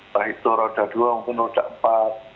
bahkan itu roda dua mungkin roda empat